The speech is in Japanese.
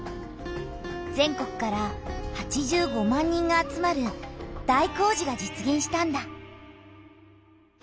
全国から８５万人が集まる大工事が実げんしたんだ。